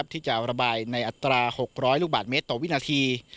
ที่จะระบายในอัตรา๖๐๐ลูกบาทเมตรต่อวินาที